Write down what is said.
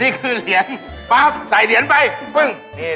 นี่คือเหรียญปั๊บใส่เหรียญไปปึ้ง